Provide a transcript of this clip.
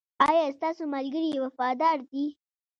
ایا ستاسو ملګري وفادار دي؟